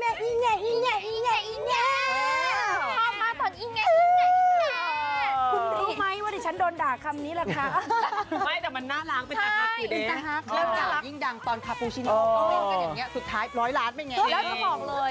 แล้วกินกุ้งแช่